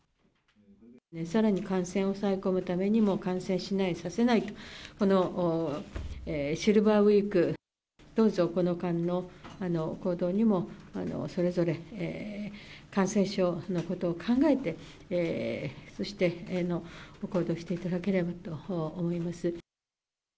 さらに感染を抑え込むためにも、感染しない・させないと、このシルバーウィーク、どうぞこの間の行動にも、それぞれ感染症のことを考えて、そして行動していただければと思います。